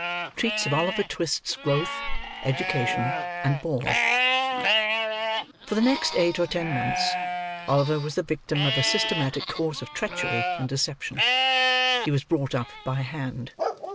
TREATS OF OLIVER TWIST'S GROWTH, EDUCATION, AND BOARD For the next eight or ten months, Oliver was the victim of a systematic course of treachery and deception. He was brought up by hand.